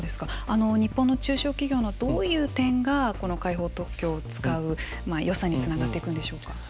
日本の中小企業のどういう点がこの開放特許を使うよさにつながっていくんでしょうか。